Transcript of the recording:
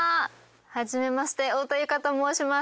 はじめまして太田ゆかと申します。